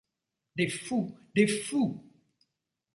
Des fous… des fous !…